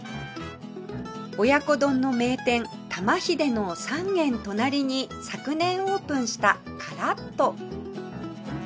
親子丼の名店玉ひでの３軒隣に昨年オープンしたからっ鳥